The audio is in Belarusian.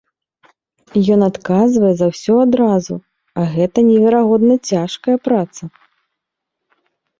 Ён адказвае за ўсё адразу, а гэта неверагодна цяжкая праца.